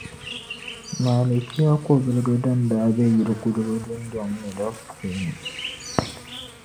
Malikia kɔbiliga din daa be yiliguliba dundɔŋ ni la puuni.